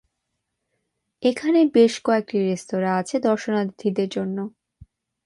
এখানে বেশ কয়েকটি রেস্তোরা আছে দর্শনার্থীদের জন্য।